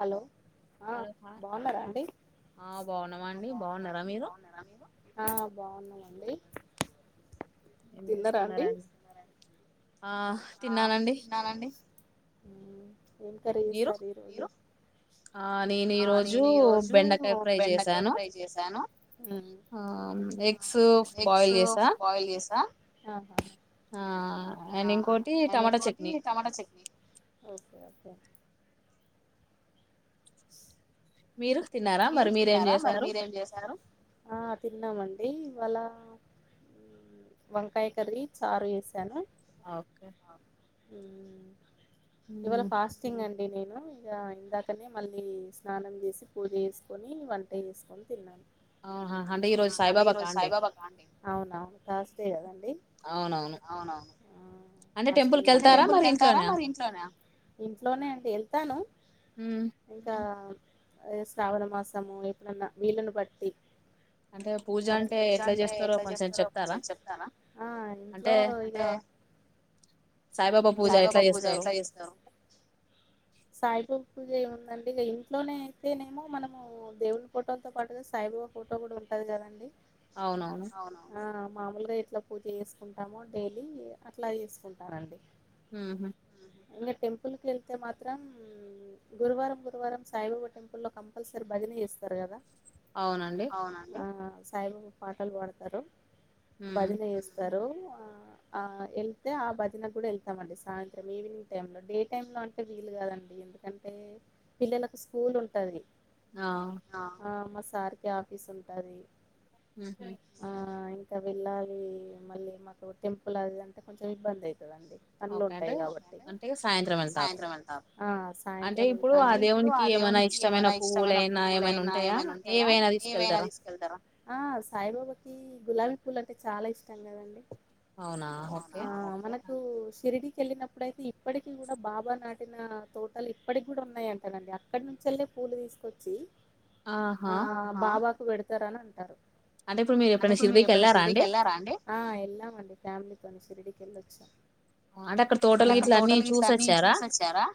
Hello హ బాగున్నారా అండి బాగున్నామండి ఏం చేస్తున్నారండి ఆ ఆ తిన్నామండి ఏం కరీ చేస్తారు ఈరోజు. ఆ నేను ఈరోజు బెండకాయ ఫ్రై చేసాను ఎగ్స్ బాయిల్ చేసా ఆ అండ్ ఇంకోటి టమాటా చట్నీ స ఆ మీరు తిన్నారా మరి మీరేం చేశారు ఆ తిన్నామండి వాళ వంకాయ కర్రీ చారు చేసాను ఓకే [inaudible] ఇవాళ ఫాస్టింగ్ అండి అ నేను ఇక ఇందాకనే మళ్ళీ స్నానం చేసి పూజ చేసుకొని వంట చేసుకొని తిన్నాను అంటే ఈరోజు సాయిబాబా అండి అవునవును తర్స్ డే కదా అండి అవునవును ఫాస్టింగ్ టెంపుల్ కి వెళ్తారా మరి ఇంట్లోనా ఇంట్లోనే అండి వెళ్తాను ఇంకా శ్రావణ మాసము ఎప్పుడన్నా వీలును బట్టి అరే పూజ అంటే ఎట్లా చేస్తారో కొంచం చెప్తారా హ ఇంట్లో ఇగా అంటే సాయిబాబా పూజ ఎట్లా చేస్తారు సాయిబాబ పూజ ఏముందండి ఇగా ఇంట్లోనే తేనేమో మనము దేవుళ్ళ ఫోటోతో పాటుగా సాయిబాబా ఫోటో కూడా ఉంటది కదండి అవునవును ఉమ్ మామూలుగా ఎట్లా పూజ చేసుకుంటామో డైలీ అట్లా చేసుకుంటానండి ఇంకా టెంపుల్ కి వెళ్తే మాత్రం గురువారం గురువారం సాయిబాబా టెంపుల్ టెంపుల్లో కంపల్సరీ భజన చేస్తారు కదా హ సాయిబాబ పాటలు పాడుతారు భజన చేస్తారు ఆ వెళ్తే ఆ భజనకు కూడా వెళ్తామండి సాయంత్రం ఈవినింగ్ టైం లో డే టైం లో అంటే వీలు కాదండి ఎందుకంటే పిల్లలకు స్కూల్ ఉ ఉంటది హా ఉమ్ సార్ కి ఆఫీస్ ఉంటది ఉమ్ హు ఇంకా వెళ్ళాలి మళ్ళీ మాకు టెంపుల్ అది అంటే కొంచెం ఇబ్బంది పనులు ఉంటాయి కాబట్టి సాయంత్రం వెళ్తాం సాయంత్రం వెళ్తాం అంటే ఇప్పుడు ఆ దేవునికి ఏమైనా ఇష్టమైన పువ్వులైనా ఏమైనా ఉంటాయా ఏమైనా తీసుకెళ్తారా ఆ సాయిబాబాకి ఈ గులాబీ పూల అంటే చాలా ఇష్టం గదండి అవునా మనకు శిరిడి కెళ్ళినప్పుడుయితే ఇప్పటికి కూడా బాబా నాటిన తోటాలు ఇప్పటికి కూడా ఉన్నాయి అంటనండి అక్కడ నుంచి చెల్లె పూలు తీసుకొచ్చి ఆ బాబా పెడతారని అంటరు అదేప్పుడు మీరు ఎప్పుడు షిరిడి వెళ్లారా అండి ఆ ఎల్లం అండి ఫ్యామిలీ తోటి షిరిడి వెళ్లొచ్చా అంటే అక్కడ తోటలు గిట్లా అన్ని చూసేశారా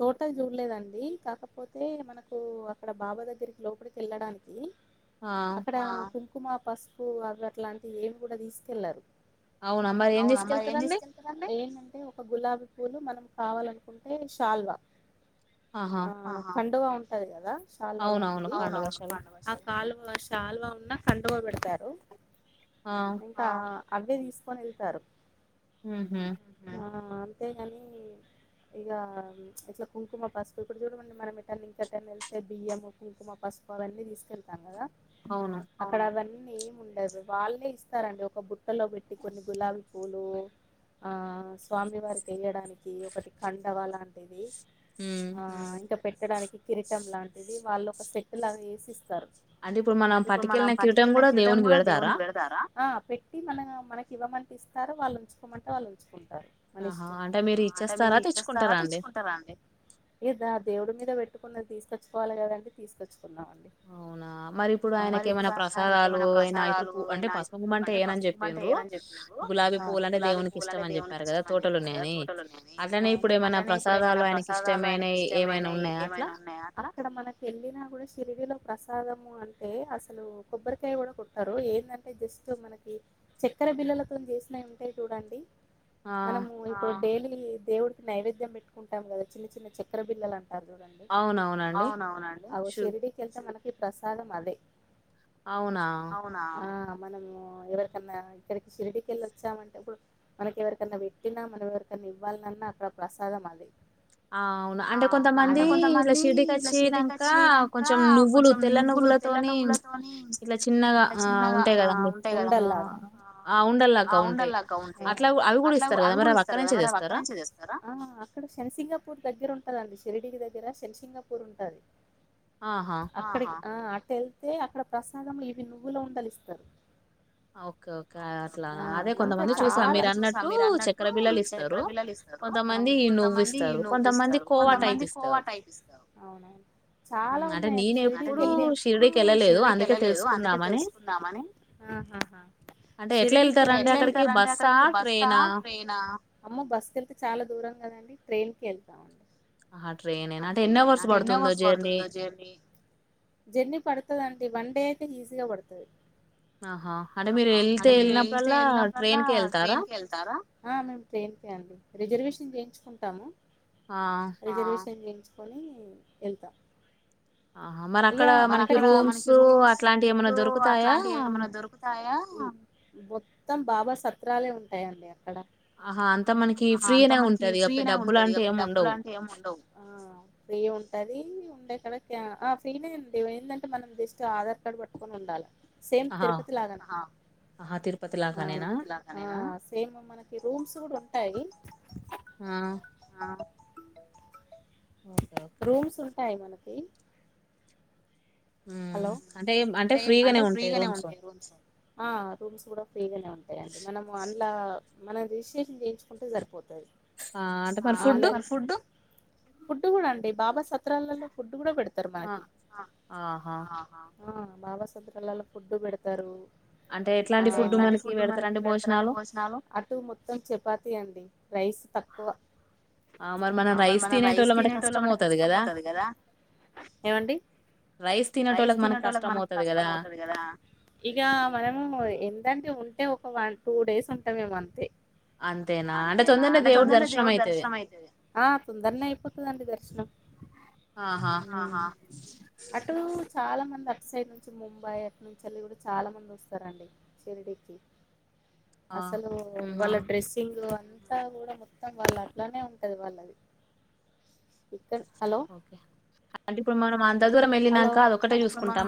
తోటలు చూడలేదండి కాకపోతే అయితే మనకు అక్కడ బాబా దగ్గరికి లోపలికి వెళ్ళడానికి అక్కడ కుంకుమ పసుపు అవట్లాంటివి ఏమి గూడా తీసుకెళ్లరు అవునా మరి ఏం తీసుకెళ్తారండీ ఏంటంటే ఒక గులాబీ పూలు మనం కావాలనుకుంటే శాలువా ఆహా పండుగ ఉంటది గదా శాలువా లాంటిది అవును అవును ఆ కాలువశాలువా ఉన్నా కండువ పెడతారు అంతా అవ్వే దీసుకొని వెళ్తారు ఉహు ఆ అంతేగాని ఇగ ఇట్లా కుంకుమ పసుపో కూడా చూడమండీ మనం అన్ ఇంకటన్ వెళ్తే బియ్యము కుంకుమ పసుపు అవన్నీ తీసుకెళ్తాం కదా అక్కడ అవన్నీ ఏమి ఉండదు వాళ్ళే ఇస్తారండి ఒక బుట్టలో పెట్టి కొన్ని గులాబీ పూలు ఆ స్వామి వారికి వెయ్యడానికి ఒకటి కండవ లాంటిది ఉమ్ పెట్టడానికి కిరీటం లాంటిది వాళ్ళు ఒక సెట్ లాగా ఏసిస్తారు అంటే ఇప్పుడు, మనం పట్టుకెళ్ళిన కిరీటం కూడా దేవునికి పెడతారా? ఆ పెట్టి మమనం మనకి ఇవ్వమంటే ఇస్తారు వాళ్ళు ఉంచుకోమంటే వాళ్ళు ఉంచుకొంటారు. మన ఇష్టం మాట విని మీరు ఇచ్చేస్తారా? తెచ్చుకుంటారా అండి. దేవుడి మీద పెట్టుకున్నది తీసుకొచ్చుకోవాల కదండి తీసుకొచ్చు. అవునా మరి, ఇప్పుడు ఆయనకి ఏమైనా ప్రసాదాలు అయినా ఇప్పుడు పూ అంటే పసుపు కొమ్ము అంటే ఏయనని చెప్పిండ్రు గులాబీ పూవులు అంటే దేవునికి ఇష్టం అని చెప్పారు కదా తోటలు ఉన్నాయని, అట్లానే ఇప్పుడు ఏమైనా ప్రసాదాలు ఆయనకి ఇష్టమైనయి. ఏమైనా ఏమైనా ఉన్నాయా? అక్కడ అక్కడ మనకి వెళ్ళినా కూడా సిరి గుడిలో ప్రసాదము అంటే అసలు కొబ్బరికాయ కూడా కొట్టరు ఏందంటే జస్ట్ మనకి చక్కెర బిళ్ళలతోని చేసినయి ఉంటయి చూడండి. మనము ఇప్పుడు డైలీ దేవుడికి నైవేద్యం పెట్టుకుంటాం కదా, చిన్న చిన్న చె చక్కెర బిళ్ళలు. అదేనండి, అవునవునండి అవు షిరిడీకెళ్తే మనం ప్రసాదం అదే. అవునా? మనము ఎవరికన్నా ఇక్కడికి షిరిడికెళ్ళొచ్చామంటే, ఇప్పుడు మనకి ఎవరికన్నా పెట్టినా మనం ఎవరికన్నా ఇవ్వాల్నన్నా అక్కడ ప్రసాదం అదే. ఆ అవునా అంటే కొంతమంది ఇలా షిరిడీకి వచ్చినంక కొంచెం నువ్వులు తెల్లనువ్వులతోని ఇలా చిన్నగా ఉంటాయి కదా, ఆ ఉండల్లాగా ఆ ఉంటాయి అట్లా అవి కూడా ఇస్తారు కదా? మరి అవి అక్కడ నుంచే తెస్తారా? [unintelligible] దగ్గర ఉంటారండి షిరిడికి దగ్గర శన్సింగపూరు ఉంటాది. ఆహా! ఆ అట్ట వెళ్తే అక్కడ ప్రసాదం ఇవి నువ్వుల ఉండలు ఇస్తారు. ఓకే, ఓకే అట్లా అదే కొంతమంది చూసా మీరు అన్నట్టు చక్కర పిల్లలు ఇస్తారు కొంతమంది నువ్వు ఇస్తారు. కొంతమంది కొంతమంది కోవా టైప్ ఇస్తారు అవునా చాలా ఉన్నాయండీ. ఎప్పుడు షిరిడికి వెళ్ళలేదు. అందుకే తెలుసుకుందామని, షిరిడిక్కడ ఎట్లా వెళతారండీ? అక్కడికి బస్సా, ట్రైనా. అమ్మో బస్ కి వెళ్తే చాలా దూరం కదండి! ట్రైన్ కి ఎల్ తాము. [inaudible] అంటే ఎన్ని అవర్స్ పడుతుందో జర్నీ. జర్నీ పడుతుందండి. వన్ డే [unintelligible] ఈజగా పడతాది. హా! అంటే మీరు వెళ్తే వెళినప్పుల్లా ట్రైన్ కి వెళ్తారా? ట్రైన్ కే వెలతాము. రిజర్వేషన్ చేయించుకుంటాము. రిజర్వేషన్ చేయ్ తెచ్చుకోని వెళ్తా. ఇగ, మనకు అక్కడ మనకి రూమ్స్ అట్లాంటివి ఏమన్నా దొరుకుతాయా? మొత్తం బాబా సత్రాలే ఉంటాయి అండి. ఆహా! అంతా మనకి ఫ్రీనే ఉంటది. అంటే డబ్బులు అంటే డబ్బు లాంటివి ఏమి ఉండవు. ఫ్రీ ఉంటాయి. అది ఉండే కడ ఆ ఫ్రీనే అండి ఏంటంటే మనం జస్ట్ ఆధార్ కార్డ్ పట్టుకొని ఉండాల సేమ్ తిరుపతి లాగా హ సేమ్ మనకి రూమ్స్ కూడ ఉన్ టయి ఆ ఆ రూమ్స్ ఉంటాయి మన ఏ హలో అంటే అంటే ఫ్రీగానే ఉంటాయి రూమ్స్ ఆ రూమ్స్ కూడా ఫ్రీగానే ఉంటాయండి మనము అన్ ఇట్లా మనం రిజిస్ట్రేషన్ చేయించుకుంటే సరిపోతది ఆ అంటే మరి ఫుడ్ ఫుడ్ కూడా అండి బాబా సత్రాల లో ఫుడ్ కూడా పెడ్ ఆ ఆహా హు బాబా సదరలలో ఫుడ్డు పెడుతారు అంటే ఎలాంటి ఫుడ్ మనకి పెడుతరండి భోజనాలు అటు మొత్తం చపాతీ అండి రైస్ తక్కువ మరి మనం రైస్ తినేటోల్లమంటే కష్టం అవుతది కదా ఏమండి రైస్ తినేటోళ్ళకి మనకు కష్టం అవుతది కదా ఇగ మనము ఎంత లాంటివి ఉంటే ఒక వన్ టూ డేస్ ఉంటదేమో అంతే అంతేనా అంటే తొందర్నె దేవుడు దర్శనం అయితది ఆ తొందర్నె అయిపోతదండి దర్శనం ఆహా అే ఇ చాలా మంది అటు సైడ్ నుంచి ముంబై అట్లుంచేలి కూడా చాలా మంది వస్తారండి షిరిడికి అసలు వాళ్ళ డ్రెస్సింగ్ అంతా కూడా మొత్తం వాళ్ళ అట్లానే ఉంటది వాళ్ళది ఓకే అంటే ఇప్పుడు మనం అన్ ఏమండి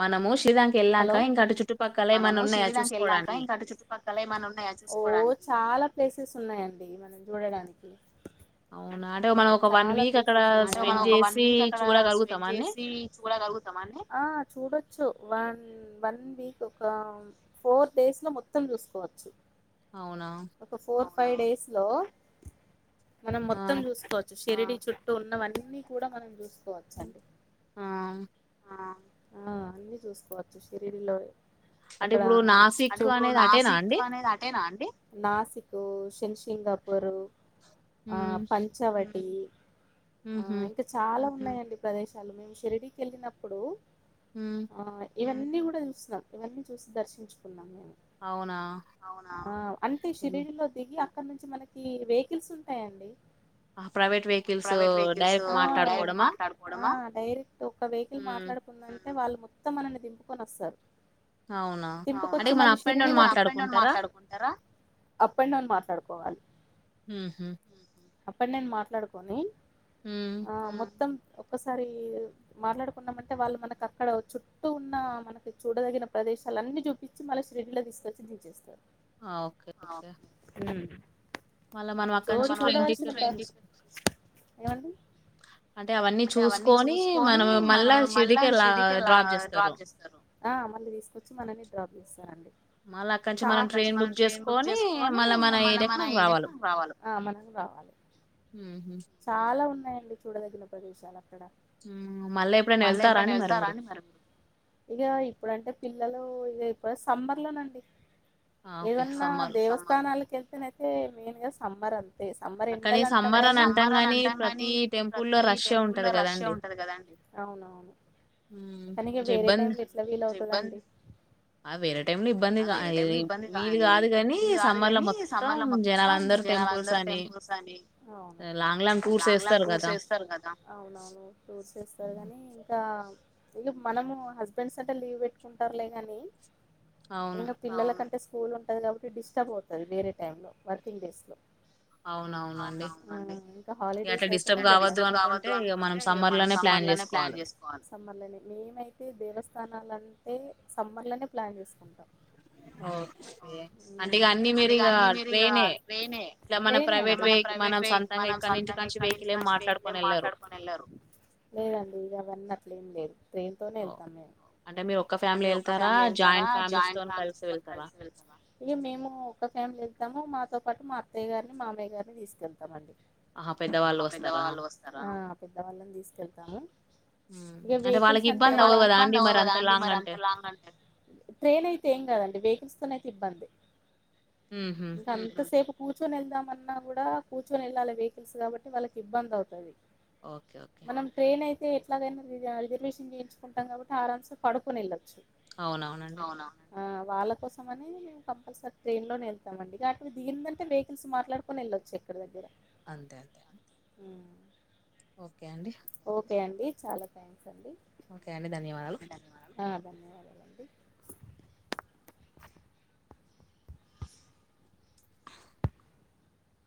మనము షి హలో మనము షిరిడి దాంక వెళ్ళానంక ఇంకా అటు చుట్టుపక్కల ఏమన్న ఉన్నాయా చూసుకోడానికి ఓ చాలా ప్లేసెస్ ఉన్నాయండి మనం చూడడానికి చాలా ప్లేసెస్ అంటే మనం ఒక వన్ వీక్ అక్కడ స్పెండ్ చేసి చూడగలుగుతామ అండి ఆ చూడోచ్ చ్ వన్ హు వన్ వీక్ ఒక ఫోర్ డేస్ లో మొత్తం చూసుకోవచ్చు అవునా ఫైవ్ డేస్ లో మనం మొత్తం చూసుకోవచ్చు షిరిడి చుట్టూ ఉన్నవన్నీ కూడా మనం చూస్ ఆ ఆ అన్నిీ చూసుకోవచ్చి శరీరిలో అక్కడ అంటే ఇప్పుడు నాసిక్ అనేది అటేనా అండి నాసిక్ షన్సిింగపూరు ఆ పంచవడి ఆ ఇంకా చాలా ఉన్నాయండి ప్రదేశాలు మేము షిరిడిీకి వెళ్ళినప్పుడు హ ఇవన్నీ కూడా చూస్తున్నాం ఇవన్నీ చూసి దర్శించుకున్నాము అవునా అంటే షిరిడి లో దిగి అక్కడ నుంచి మనకి వెహికల్స్ ఉంటాయండి ఆ ప్రైవేట్ వెహికల్స్ డైరెక్ట్ మాట్లాడుకోవడమా అర్ ఒక్క వెహికల్ మాట్లాడుకుందాంని అ వాళ్ళు మొత్తం అని దింపుకొని వస్తారు తింపుకొచ్చి మళ్ళీ అప్ అడ్ డౌన్ మాట్లాడుకుంటారా అప్ అండ్ డౌన్ మాట్లాడుకోవాలి అప్ అండ్ డౌన్ మాట్లాడుకొని ఆ మొత్తం ఒక్కసారి మాట్లాడుకున్నామ అంటే వాళ్ళు మనకు అక్కడ వచు ఉన్న మనకి చూడదగిన ప్రదేశాల అన్నిీ చూపించి మళ్ళీ షిర్డీలో తీసుకొచ్చి దించేస్తారు ఆ ఓకే ఓకే మళ్ళా మనం అక్కడించి ట్రైన్ టికెట్ తీసుకుని అంటే అవన్నీ చూసుకొని మనం మళ్ళా షిరిడి కే డ్రాప్ చేస్తారు ఆ మళ్ళీ తీసుకొచ్చి మనల్ని డ్రాప్ చేస్తారండి చాలా అక్కనుంచి మనం ట్రైన్ బుక్ చేసుకొని మల్ల మన ఏరియాకి మనకు రావాలి మల్లి రావాలి చాలా ఉ ండి చూడదగ ప్రదేశాల మళ్ళీ ఎప్పుడైనా వెళ్తారా అని మరి ఇక ఇప్పుడంటే పిల్లలు ఇ ఇప్పుడు సమ్మర్ లోనండి ఇవన్నా దేవస్థా అల్ కల్తన అయితే మెయిన్గా సమ్మర్ అంత అదే సమ్మర్ ఎండాల అంటారు సమ్మర్ అని అంటాం ని ప్రతి టెం లో రష్ ఉంట కదం అరేరే ఇబ్బంది వీ కాదు కాని సమ్మర్ లో మొత్తం జాలరు టెంపుల్స్ అని లాంగ్ లాంగ్ టూర్స్ వేస్తారు కదా అవునవును టూర్స్ వేస్తారు కని ఇంకా ఇక మనము హస్బెండ్స్ అంటే లీవ్ పెట్టుకుంటారులే గాని ఇంకా పిల్లల కంటే స్కూల్ ఉంటుంది కాబట్టి డిస్టర్బ్ అవుతుంది వేరే టైంలో వర్కింగ్ డేస్లో ఇంకా హాలిడేస్ అయితేనే అనుకుంటే మనం సమ్మర్ లోనే ప్లాన్ చేసుకోవాలి సమ్మర్ లోనే మేమైతే దేవస్థానం అంటే సమ్మర్ లోనే ప్లాన్ చేసుకుంటాం ఓకే అంటే ఇక అన్ని మీరు ఇక ట్రైనే ఇట్లా మన ప్రైవేట్ వెకిల్ మనం సొంతంగా ఇంటి కానినుంచి వెహికల్ ఏ మాట్లాడుకొని వెళ్లారు లేదండి ఇక అవన్నన్నట్లే ఏం లేదు ట్రైన్ తోనే వెళ్తాం మేము అంటే మీరు ఒక్క ఫ్యామిలీ వెళ్తారా జాయింట్ ఫ్యామిలీస్ తో కలిసి వెళ్తామా ఇక మేము ఒక ఫ్యామిలీ ఇతాము మాతో పాటు మా అత్తయ్య గారిని మామయ్య గారిని తీసుకెళ్తామండి ఆహా పెద్దవాళ్ళు వస్తారా పెద్దవాళ్ళని తీసుకెళ్తాము ఇ వెహికల్స్ అబ అ కదాలా ట్రైన్ అయితే ఏం కదండి వెహికల్స్ తో సిబ్బంది దంత సేపు కూర్చొని వెళ్దామన్నా కూడా కూచొని వెళ్ళాలి వెహికల్స్ కాబట్టి వాళ్ళకి ఇబ్బంది అవుతది ఓకే ఓకే అయితే ఎట్లాగైనా రిజర్వేషన్ చేయించుకుంటా కాబట్టి ఆ రాన్సర్ పడుకుొని వెళ్చ్చు అవునవునండి ఆ వాళ్ళ కోసం అనే మేము కంపల్సరీ ట్రైన్ లోనే వెళ్తామండి అటివి దిగిందంటే వెహికల్స్ మాట్లాడుకుొని వెళ్ళచ్చు ఎక్కడి దగ్గర అంతే అంతే ఓకే అండి ఓకే అండి చాలా థ్యాంక్ ఓకే అండి ధన్యవాదాలు ఆ ధన్యవాదండి